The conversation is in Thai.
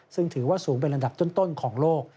ซึ่งถือว่าสูงเป็นลำดับต้นของโลก